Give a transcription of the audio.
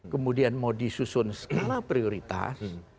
kemudian mau disusun skala prioritas